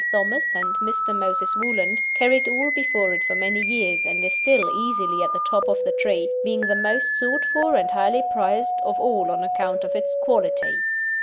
Thomas and Mr. Moses Woolland, carried all before it for many years, and is still easily at the top of the tree, being the most sought for and highly prized of all on account of its "quality."